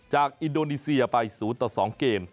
จากอินโดนีเซียไป๐๒เกม